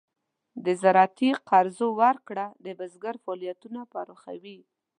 د زراعتي قرضو ورکړه د بزګر فعالیتونه پراخوي.